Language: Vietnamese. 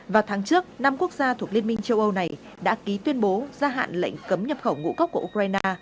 vào tháng trước năm quốc gia thuộc liên minh châu âu này đã ký tuyên bố gia hạn lệnh cấm nhập khẩu ngũ cốc của ukraine